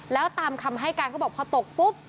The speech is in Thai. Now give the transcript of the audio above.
แล้วตามคำให้การเขาบอกพอตกปุ๊บ